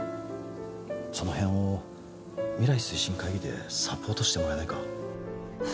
その辺を未来推進会議でサポートしてもらえないか？